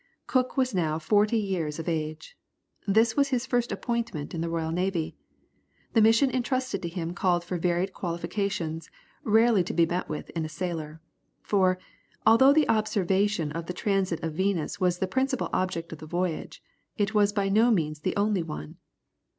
Cook was now forty years of age. This was his first appointment in the Royal Navy. The mission entrusted to him called for varied qualifications, rarely to be met with in a sailor. For, although the observation of the transit of Venus was the principal object of the voyage, it was by no means the only one.